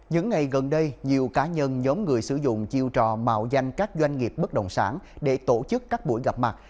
những ngày gần đây nhiều cá nhân nhóm người sử dụng chiêu trò mạo danh các doanh nghiệp bất động sản để tổ chức các buổi gặp mặt